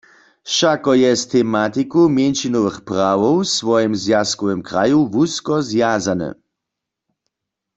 Wšako je z tematiku mjeńšinowych prawow w swojim zwjazkowym kraju wusko zwjazany.